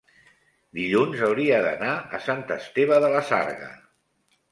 dilluns hauria d'anar a Sant Esteve de la Sarga.